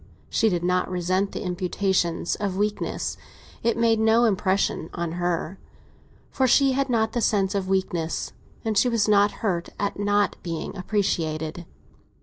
She did not resent the imputation of weakness; it made no impression on her, for she had not the sense of weakness, and she was not hurt at not being appreciated.